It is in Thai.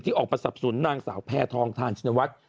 ออกมาสับสนนางสาวแพทองทานชินวัฒน์